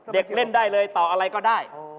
เด็กเล่นได้เลยต่ออะไรก็ได้